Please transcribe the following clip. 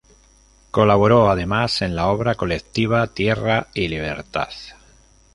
Colaboró además en la obra colectiva "Tierra y Libertad.